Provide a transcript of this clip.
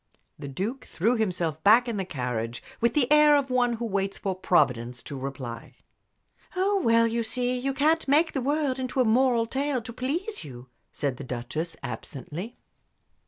The Duke threw himself back in the carriage with the air of one who waits for Providence to reply. "Oh, well, you see, you can't make the world into a moral tale to please you," said the Duchess, absently.